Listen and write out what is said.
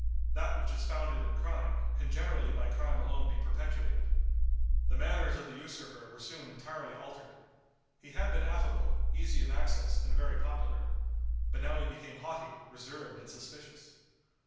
That which is founded in crime, can generally by crime alone be perpetuated. The manners of the usurper were soon entirely altered. He had been affable, easy of access, and very popular. But now he became haughty, reserved and suspicious.